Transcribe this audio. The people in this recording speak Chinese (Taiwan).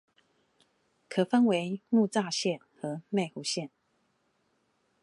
可分為木柵線和內湖線